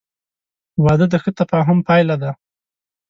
• واده د ښه تفاهم پایله ده.